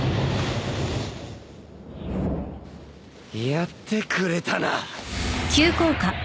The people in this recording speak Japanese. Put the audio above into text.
やってくれたな。